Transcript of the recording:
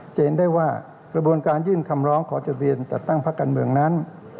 จะเห็นได้ว่ากระบวนการยื่นคำร้องขอจดทะเบียนจัดตั้งพักการเมืองนั้น